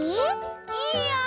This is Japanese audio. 「いいよ！」。